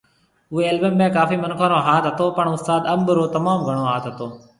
اوئي البم ڪافي منکون رو ھاٿ ھتو پڻ استاد انب رو تموم گھڻو ھاٿ ھتو